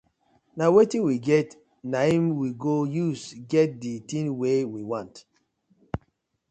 Na wetin we get naim we go use get di tin wey we want.